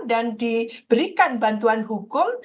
dan diberikan bantuan hukum